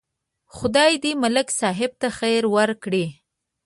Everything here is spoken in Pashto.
خدای دې ملک صاحب ته خیر ورکړي.